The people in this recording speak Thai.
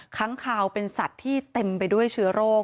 ค้างคาวเป็นสัตว์ที่เต็มไปด้วยเชื้อโรค